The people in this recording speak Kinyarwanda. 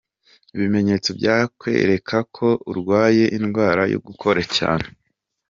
Ibimenyetso byakwereka ko urwaye indwara yo gukora cyane.